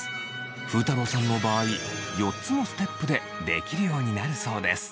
ふうたろうさんの場合４つのステップでできるようになるそうです。